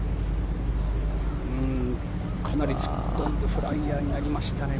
かなり突っ込んでフライヤーになりましたね